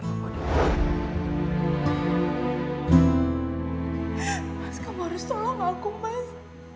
mas kamu harus tolong aku mas